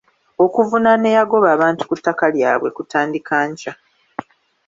Okuvunaana eyagoba abantu ku ttaka lyabwe kutandika nkya.